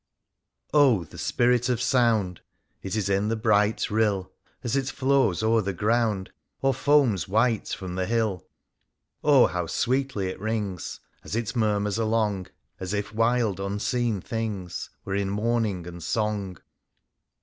Oh ! the Sinrit of Sound ! It is in the bright rill. As it flows o'er the ground. Or foams white from the hill. Oh I how sweetly, it rings As it murmurs along. As if wild, unseen things Were in mourning and song.